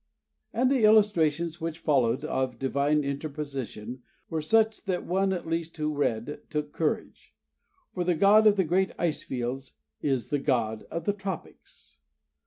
And the illustrations which followed of Divine interposition were such that one at least who read, took courage; for the God of the great Ice fields is the God of the Tropics.